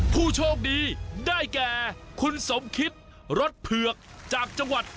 ผู้โชคดีได้แก่คุณสมคิตรถเผือกจากจังหวัด